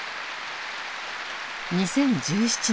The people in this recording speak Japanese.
２０１７年